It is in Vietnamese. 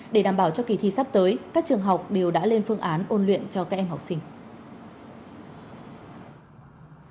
để đảm bảo cho kỳ thi sắp tới các trường học đều đã lên phương án ôn luyện cho các em học sinh